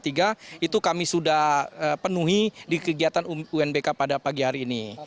itu kami sudah penuhi di kegiatan unbk pada pagi hari ini